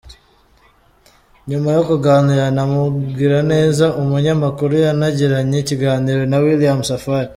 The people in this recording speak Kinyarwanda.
Nyuma yo kuganira na Mugiraneza, umunyamakuru yanagiranye ikiganiro na William Safari.